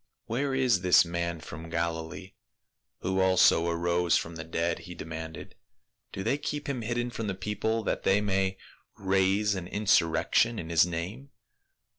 "Where is this man from Galilee — who also arose from the dead ?" he demanded. " Do they keep him hidden from the people that they may raise an insur rection in his name